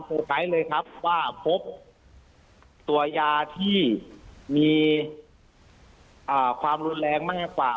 ใช้เลยครับว่าพบตัวยาที่มีความรุนแรงมากกว่า